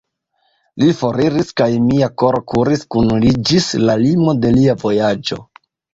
Li foriris, kaj mia koro kuris kun li ĝis la limo de lia vojaĝo.